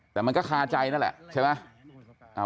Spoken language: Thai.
แต่มันก็คาใจนั่นแหละใช่ไหม